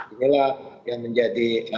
inilah yang menjadi